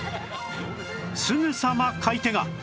すぐさま買い手が